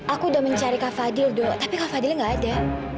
aku udah mencari kak fadli do tapi kak fadli nggak ada